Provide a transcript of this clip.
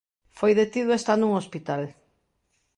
Foi detido e está nun hospital.